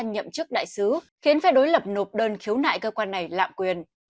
nhậm chức đại sứ khiến phe đối lập nộp đơn khiếu nại cơ quan này lạm quyền